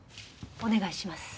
お願いします。